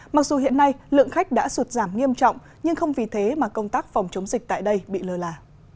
mặc dù hiện nay lượng khách đã sụt giảm nghiêm trọng nhưng không vì thế mà công tác phòng chống dịch tại đây bị lờ là